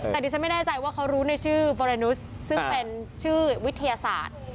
แต่ดิฉันไม่แน่ใจว่าเขารู้ในชื่อบรนุษย์ซึ่งเป็นชื่อวิทยาศาสตร์